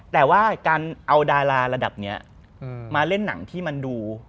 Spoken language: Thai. แต่ว่าการเอาดาราระดับนี้มาเล่นหนังที่มันดู